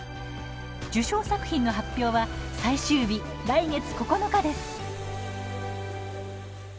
受賞作品の発表は最終日来月９日です。